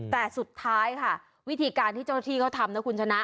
แต่สุดท้ายค่ะวิธีการที่เจ้าหน้าที่เขาทำนะคุณชนะ